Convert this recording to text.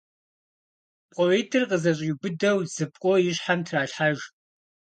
ПкъоитӀыр къызэщӀиубыдэу зы пкъо и щхьэм тралъхьэж.